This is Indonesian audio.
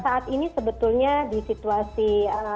saat ini sebetulnya di situasi yang sekarang